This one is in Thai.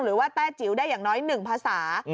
แต้จิ๋วได้อย่างน้อย๑ภาษา